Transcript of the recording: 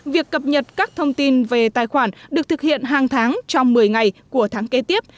việc cập nhật các thông tin về tài khoản được thực hiện hàng tháng trong một mươi ngày của tháng kế tiếp